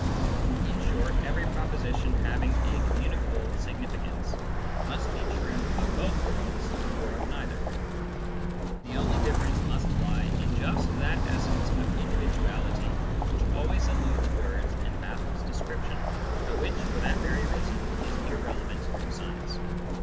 In short, every proposition having a communicable significance must be true of both worlds or of neither : the only difference must lie in just that essence of individuality which always eludes words and baffles description, but which, for that very reason, is irrelevant to science.